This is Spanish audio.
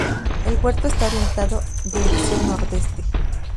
El huerto está orientado dirección nordeste.